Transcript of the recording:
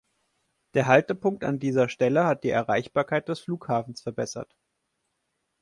Der Haltepunkt an dieser Stelle hat die Erreichbarkeit des Flughafens verbessert.